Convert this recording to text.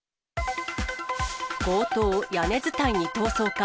強盗、屋根伝いに逃走か。